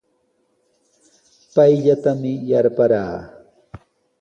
Payllatami yarparaa.